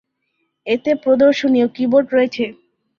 এতে প্রদর্শনী এবং কিবোর্ড রয়েছে।